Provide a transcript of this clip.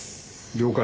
了解。